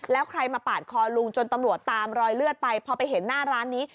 แล้วใครมาปาดคอลุงจนตำรวจตามรอยเลือดไปพอไปเห็นหน้าร้านนี้